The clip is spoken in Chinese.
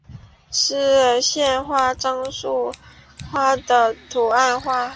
是县花樟树花的图案化。